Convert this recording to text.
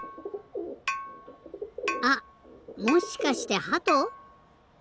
あっもしかしてハト？